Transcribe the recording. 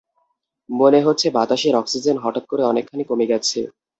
মনে হচ্ছে বাতাসের অক্সিজেন হঠাৎ করে অনেকখানি কমে গেছে।